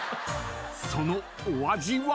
［そのお味は？］